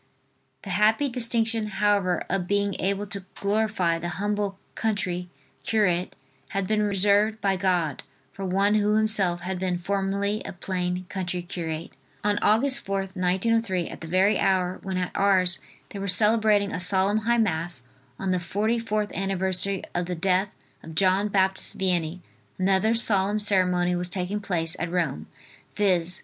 The happy distinction, however, of being able to glorify the humble country curate had been reserved by God for one who himself had been formerly a plain country curate. On Aug. 4th, 1903, at the very hour, when at Ars they were celebrating a solemn High Mass on the forty fourth anniversary of the death of John Baptist Vianney, another solemn ceremony was taking place at Rome, viz.